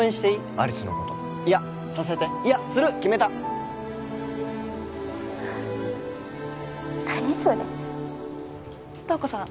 有栖のこといやさせていやする決めた何それ瞳子さん